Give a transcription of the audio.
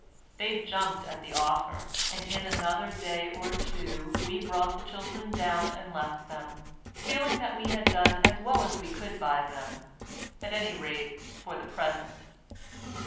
They jumped at the offer, and in another day or two we brought the children down and left them, feeling that we had done as well as we could by them, at any rate for the present.